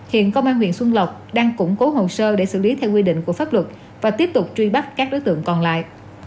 hiện công an huyện xuân lộc đang củng cố hồ sơ để xử lý theo quy định của pháp luật và tiếp tục truy bắt các đối tượng còn lại